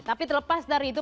tapi terlepas dari itu